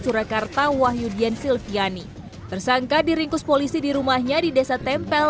surakarta wahyudian silviani tersangka diringkus polisi di rumahnya di desa tempel